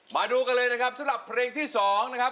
มาดูกันเลยนะครับสำหรับเพลงที่๒นะครับ